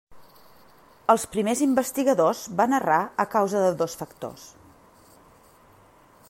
Els primers investigadors van errar a causa de dos factors.